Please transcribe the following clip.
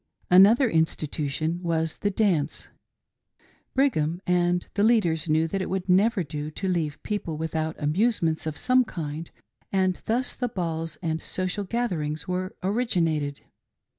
Another institution was the dance Brigham and the lead ers knew that it would never do to leave the people without amusements of some kind, and thus the balls and social gath erings were originated.